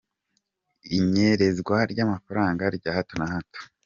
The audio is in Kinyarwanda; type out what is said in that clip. Inyerezwa ry’amafaranga rya hato na hato.